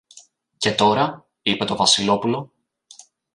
Και τώρα, είπε το Βασιλόπουλο